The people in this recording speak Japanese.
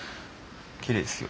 きれいっすよ。